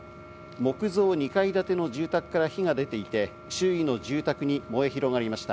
木造２階建ての住宅から火が出ていて、周囲の住宅に燃え広がりました。